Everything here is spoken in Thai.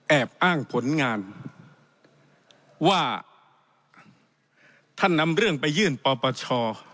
แอบอ้างผลงานว่าท่านนำเรื่องไปยื่นปปช